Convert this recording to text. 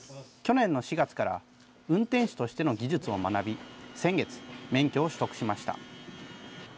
去年の４月から、運転士としての技術を学び、先月、免許を取得しました。